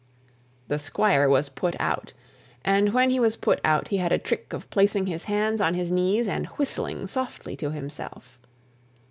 The Squire was put out; and when he was put out he had a trick of placing his hands on his knees and whistling softly to himself.